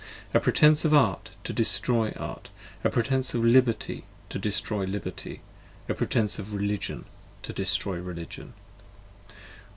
35 A pretence of Art, to destroy Art, a pretence of Liberty To destroy Liberty, a pretence of Religion to destroy Religion.